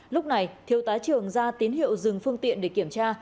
lúc này thiếu tá trường ra tín hiệu dừng phương tiện để kiểm tra